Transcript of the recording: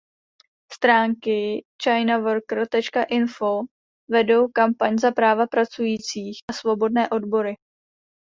Stránky chinaworker.info vedou kampaň za práva pracujících a svobodné odbory.